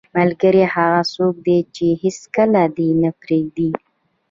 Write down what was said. ملګری هغه څوک دی چې هیڅکله دې نه پرېږدي.